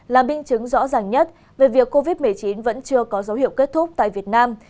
là minh chứng rõ ràng nhất về việc covid một mươi chín vẫn chưa có dấu hiệu kết thúc tại việt nam